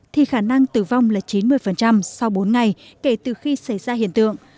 thì khả năng tử vong là chín mươi sau bốn ngày kể từ khi xảy ra hiện tượng